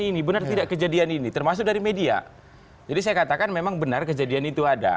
ini benar tidak kejadian ini termasuk dari media jadi saya katakan memang benar kejadian itu ada